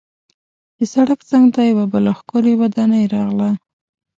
د سړک څنګ ته یوه بله ښکلې ودانۍ راغله.